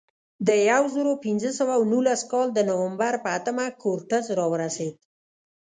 د یو زرو پینځه سوه نولس کال د نومبر په اتمه کورټز راورسېد.